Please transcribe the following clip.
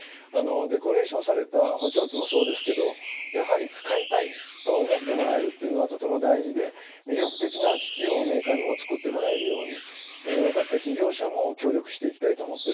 デコレーションされた補聴器もそうですけどやはり使いたいと思ってもらえるというのはとても大事で魅力的な機器をメーカーにも作ってもらえるように私たち医療者も協力していきたいと思っております。